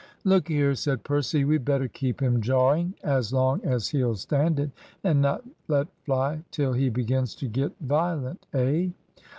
"Look here," said Percy, "we'd better keep him jawing as long as he'll stand it, and not let fly till he begins to get violent eh?"